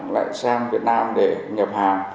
lại sang việt nam để nhập hàng